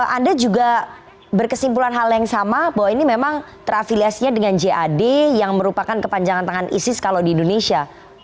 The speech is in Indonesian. anda juga berkesimpulan hal yang sama bahwa ini memang terafiliasinya dengan jad yang merupakan kepanjangan tangan isis kalau di indonesia